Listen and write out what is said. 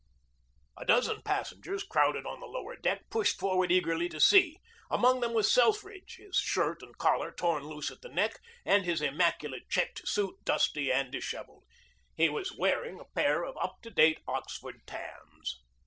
A dozen passengers, crowded on the lower deck, pushed forward eagerly to see. Among them was Selfridge, his shirt and collar torn loose at the neck and his immaculate checked suit dusty and disheveled. He was wearing a pair of up to date Oxford tans.